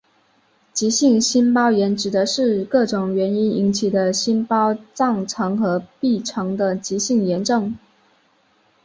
急性心包炎指的是各种原因引起的心包脏层和壁层的急性炎症。